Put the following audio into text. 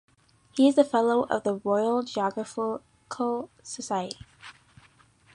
He is a Fellow of the Royal Geographical Society.